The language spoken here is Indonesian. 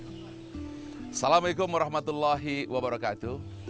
assalamualaikum warahmatullahi wabarakatuh